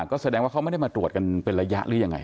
ก็แสดงว่าเขาไม่ได้มาตรวจกันเป็นระยะหรือยังไง